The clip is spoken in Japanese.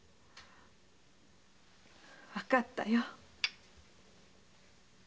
わかったよ。